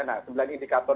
nah sembilan indikator